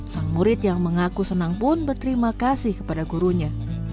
sang murid yang mengaku senang pun berterima kasih kepada gurunya